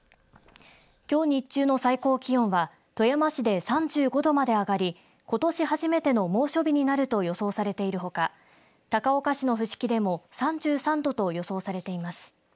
きょう日中の最高気温は富山市で３５度まで上がりことし初めての猛暑日になると予想されているほか高岡市の伏木でも３３度と予想されています。